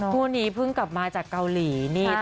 พวกนี้พึ่งก็กลับมาจากเกาหลีนี่